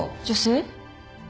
女性？